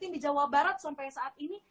di jawa barat sampai saat ini